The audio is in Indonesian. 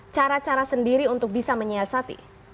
cara cara sendiri untuk bisa menyiasati